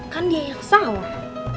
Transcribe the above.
kan dia yang salah